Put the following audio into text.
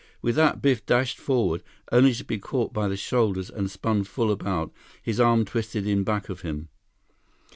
With that, Biff dashed forward, only to be caught by the shoulders and spun full about, his arm twisted in back of him.